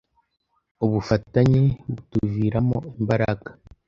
Ubufatanye butuviramo imbaraga